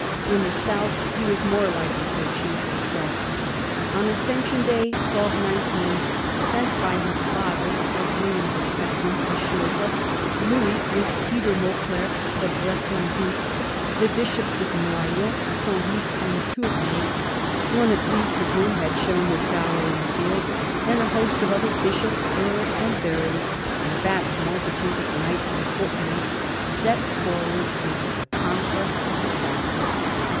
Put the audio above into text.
In the south he was more likely to achieve success. On Ascension Day 1219, "sent by his father," as William the Breton assures us, Louis, with Peter Mauclerc the Breton duke, the bishops of Noyon, Senlis, and Tournai, one at least of whom had shown his valour in the field, and a host of other bishops, earls, and barons, and a vast multitude of knights and foot men, set forward to the conquest of the south.